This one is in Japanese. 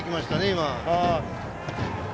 今。